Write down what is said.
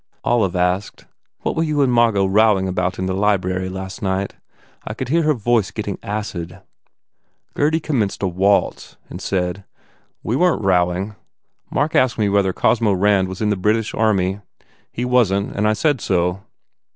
Olive asked, "What were you and Margot rowing about in the library last night? I could hear her voice getting acid." Gurdy commenced a waltz and said, "We weren t rowing. Mark asked me whether Cosmo Rand was in the British army. He wasn t and I said so.